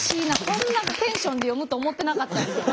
こんなテンションで読むと思ってなかったんで。